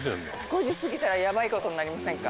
５時過ぎたらやばい事になりませんか？